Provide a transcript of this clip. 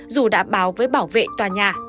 dù đã báo với bảo vệ tòa nhà